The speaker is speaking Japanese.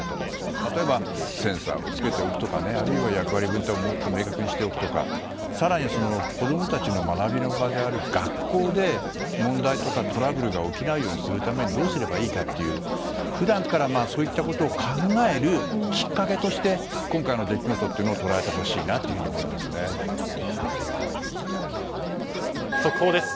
例えばセンサーをつけておくとかあるいは役割分担をもっと明確にしておくとか更に子供たちの学びの場である学校で問題とかトラブルが起きないようにするためにどうすればいいかという普段からそういったことを考えるきっかけとして今回の出来事を速報です。